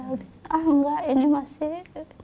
ah enggak ini masih